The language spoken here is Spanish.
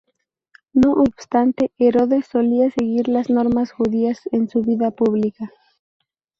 No obstante, Herodes solía seguir las normas judías en su vida pública.